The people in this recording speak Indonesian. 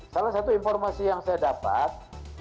salah satu informasi yang saya dapat